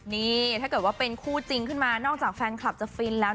นี่ถ้าเกิดว่าเป็นคู่จริงขึ้นมานอกจากแฟนคลับจะฟินแล้ว